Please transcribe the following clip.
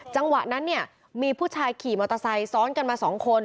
จังหวะนั้นเนี่ยมีผู้ชายขี่มอเตอร์ไซค์ซ้อนกันมา๒คน